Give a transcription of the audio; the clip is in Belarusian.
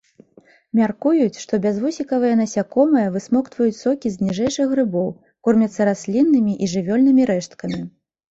Мяркуюць, што бязвусікавыя насякомыя высмоктваюць сокі з ніжэйшых грыбоў, кормяцца расліннымі і жывёльнымі рэшткамі.